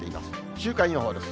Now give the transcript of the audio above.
週間予報です。